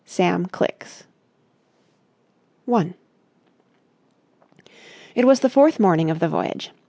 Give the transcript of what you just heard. SAM CLICKS § 1 It was the fourth morning of the voyage.